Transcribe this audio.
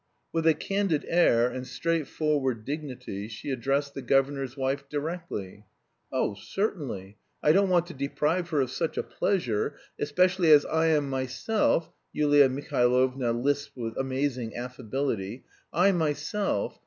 With a candid air and straightforward dignity she addressed the governor's wife directly. "Oh, certainly, I don't want to deprive her of such a pleasure especially as I am myself..." Yulia Mihailovna lisped with amazing affability "I myself...